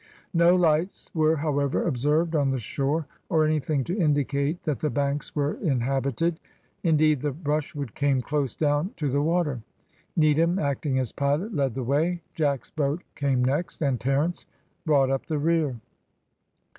No lights were, however, observed on the shore, or anything to indicate that the banks were inhabited; indeed, the brushwood came close down to the water. Needham, acting as pilot, led the way, Jack's boat came next, and Terence brought up the rear.